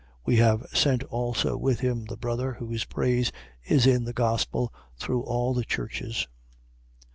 8:18. We have sent also with him the brother whose praise is in the gospel through all the churches.